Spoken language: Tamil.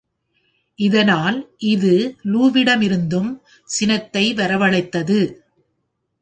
இதனால், இது லு-விடமிருந்தும் சினத்தை வரவழைத்தது.